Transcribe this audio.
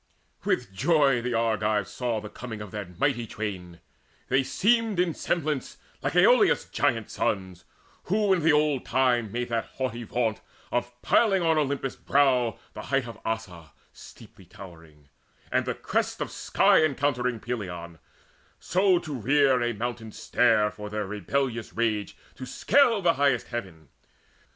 With joy the Argives saw The coming of that mighty twain: they seemed In semblance like Aloeus' giant sons Who in the old time made that haughty vaunt Of piling on Olympus' brow the height Of Ossa steeply towering, and the crest Of sky encountering Pelion, so to rear A mountain stair for their rebellious rage To scale the highest heaven.